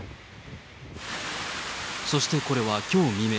そしてこれはきょう未明。